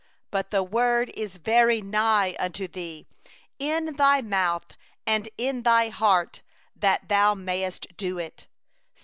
14But the word is very nigh unto thee, in thy mouth, and in thy heart, that thou mayest do it.